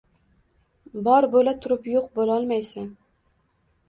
Bor bo’la turib yo’q bo’lolmaysan.